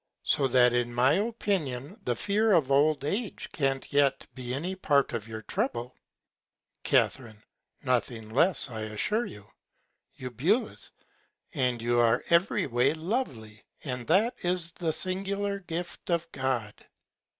So that in my Opinion the Fear of old Age can't yet be any Part of your Trouble. Ca. Nothing less, I assure you. Eu. And you are every Way lovely, and that is the singular Gift of God.